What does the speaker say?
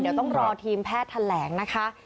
เดี๋ยวต้องรอทีมแพทย์แถลงนะคะ